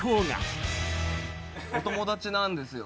お友達なんですよ。